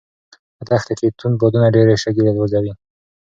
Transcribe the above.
په دښته کې توند بادونه ډېرې شګې الوځوي.